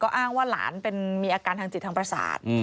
อ้างว่าหลานเป็นมีอาการทางจิตทางประสาท